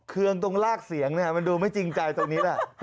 เครื่องตรงลากเสียงเนี่ยมันดูไม่จริงใจตรงนี้แหละ